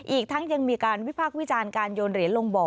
อีกทั้งยังมีการวิพากษ์วิจารณ์การโยนเหรียญลงบ่อ